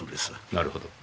なるほど。